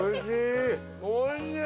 おいしい！